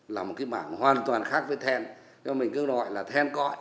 là một cái mảng hoàn toàn khác với then